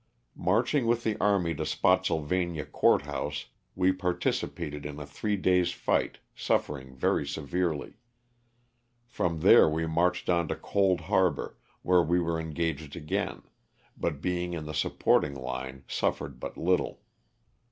Marching with the army to Spottsylvania Court House we participated in a three days' fight, suffering very severely. From there we marched on to Cold Harbor, where we were engaged again, but being in the supporting line suffered but little.